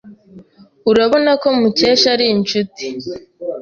Urabona ko Mukesha ari inshuti?